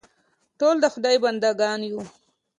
ټول د خدای بنده ګان یو.